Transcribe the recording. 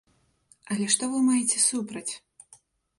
Але што вы маеце супраць?